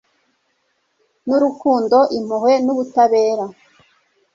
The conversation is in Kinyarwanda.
n'urukundo, impuhwe n'ubutabera